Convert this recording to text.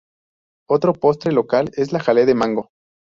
Otro postre local, es la Jalea de mango.